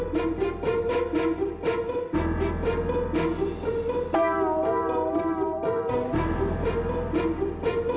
tunggu di atas kamu udah